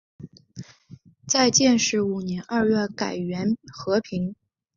在建始五年二月改元河平。